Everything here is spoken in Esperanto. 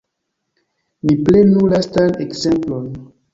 Ni prenu lastan ekzemplon.